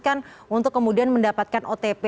kan untuk kemudian mendapatkan otp